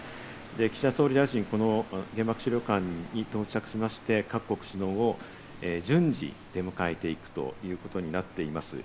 岸田総理大臣、原爆資料館に到着しまして、各国首脳を順次出迎えていくということになっています。